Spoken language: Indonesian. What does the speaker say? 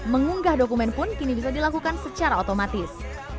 mengunggah dokumen pun kini bisa dilakukan secara otomatis